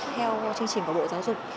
theo chương trình của bộ giáo dục